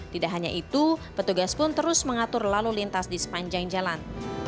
tidak hanya itu petugas pun terus mengatur lalu lintas di sepanjang jalan